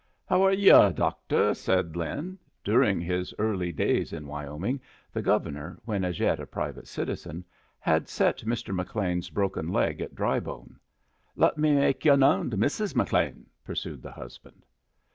"How're are yu', doctor," said Lin. During his early days in Wyoming the Governor, when as yet a private citizen, had set Mr. McLean's broken leg at Drybone. "Let me make yu' known to Mrs. McLean," pursued the husband.